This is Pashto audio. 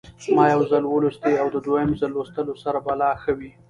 ما یو ځل ولوستی او د دویم ځل لوستلو سره به لا ښه وي.